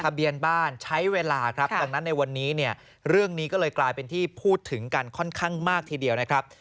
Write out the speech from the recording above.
เบียนบ้านใช้เวลาครับดังนั้นในวันนี้เนี่ยเรื่องนี้ก็เลยกลายเป็นที่พูดถึงกันค่อนข้างมากทีเดียวนะครับ